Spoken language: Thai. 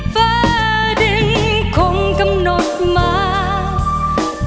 เฟ้อดิ้งคงกำหนดมา